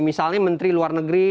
misalnya menteri luar negeri